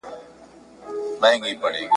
که فردي اړيکي نه وي ټولنه مري.